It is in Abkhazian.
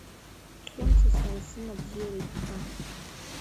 Хьымца сара сзын абзиара иҭахын…